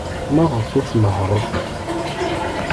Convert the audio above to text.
Maɣef ur tnehhṛeḍ?